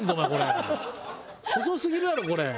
細すぎるやろこれ。